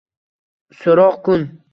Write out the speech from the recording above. So’roq kun?